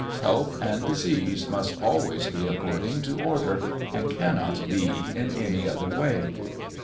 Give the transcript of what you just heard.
Health and disease must always be according to order, and cannot be in any other way."